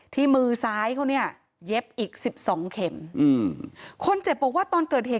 มือซ้ายเขาเนี่ยเย็บอีกสิบสองเข็มอืมคนเจ็บบอกว่าตอนเกิดเหตุ